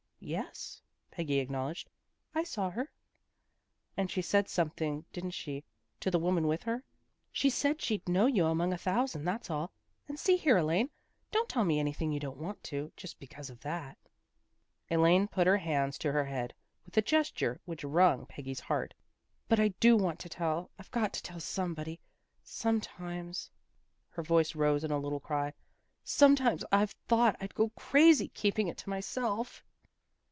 "" Yes," Peggy acknowledged, " I saw her." " And she said something, didn't she, to the woman with her? "" She said she'd know you among a thousand, that's all. And see here, Elaine. Don't tell me anything you don't want to, just because of that." Elaine put her hands to her head, with a gesture which wrung Peggy's heart. " But I do want to tell. I've got to tell somebody. Sometimes " her voice rose in a little cry " Sometimes I've thought I'd go crazy, keeping it to myself."